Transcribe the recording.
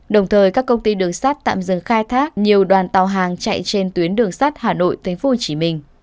đồng thời các công ty đường sắt tạm dừng khai thác nhiều đoàn tàu hàng chạy trên tuyến đường sắt hà nội tây phú hồ chí minh